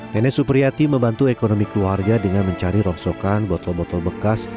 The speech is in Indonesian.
nenek supriyati membantu ekonomi keluarga dengan mencari rongsokan botol botol bekas